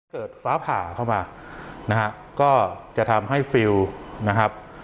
เกิดฟ้าผ่าเข้ามานะฮะก็จะทำให้ฟิลนะครับ